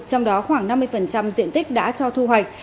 trong đó khoảng năm mươi diện tích đã cho thu hoạch